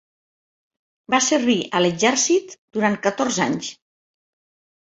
Va servir a l'exèrcit durant catorze anys.